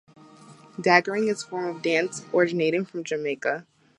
Daggering is a form of dance originating from Jamaica.